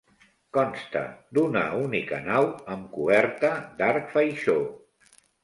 Consta d'una única nau, amb coberta d'arc faixó.